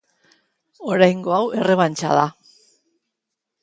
Oraingo hau errebantxa da.